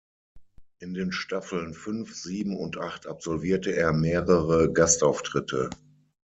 In den Staffeln fünf, sieben und acht absolvierte er mehrere Gastauftritte.